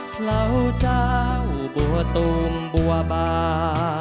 เขาเจ้าบัวตูมบัวบา